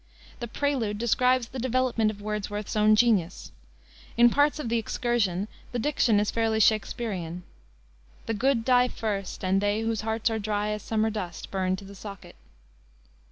The Prelude describes the development of Wordsworth's own genius. In parts of The Excursion the diction is fairly Shaksperian. "The good die first, And they whose hearts are dry as summer dust Burn to the socket."